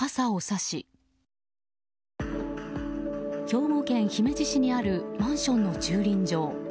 兵庫県姫路市にあるマンションの駐輪場。